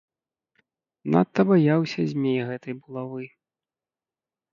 Надта баяўся змей гэтай булавы.